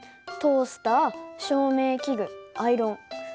トースター照明器具アイロン。